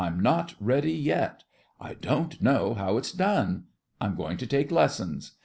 I'm not ready yet. I don't know how it's done. I'm going to take lessons.